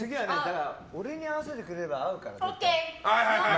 俺に合わせてくれれば合うから。